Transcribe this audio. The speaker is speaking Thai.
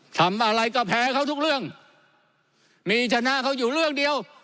ทำอะไรก็แพ้เขาทุกเรื่องมีชนะเขาอยู่เรื่องเดียว